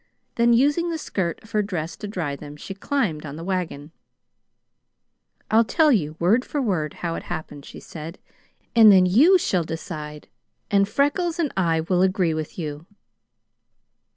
Then, using the skirt of her dress to dry them, she climbed on the wagon. "I'll tell you, word for word, how it happened," she said, "and then you shall decide, and Freckles and I will agree with you."